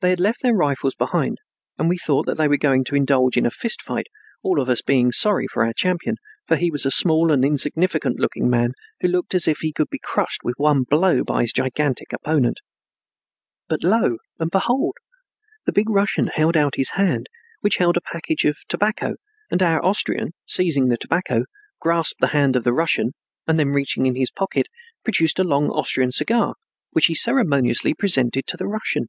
They had left their rifles behind, and we thought that they were going to indulge in a fist fight, all of us being sorry for our champion, for he was a small and insignificant looking man who looked as if he could be crushed with one blow by his gigantic opponent. But lo, and behold! The big Russian held out his hand which held a package of tobacco and our Austrian, seizing the tobacco, grasped the hand of the Russian, and then reaching in his pocket produced a long Austrian cigar, which he ceremoniously presented to the Russian.